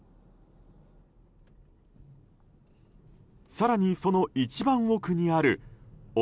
更にその一番奥にある奥